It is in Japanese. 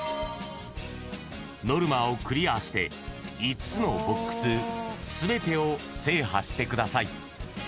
［ノルマをクリアして５つのＢＯＸ全てを制覇してください］